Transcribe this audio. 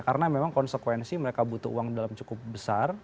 karena memang konsekuensi mereka butuh uang dalam cukup besar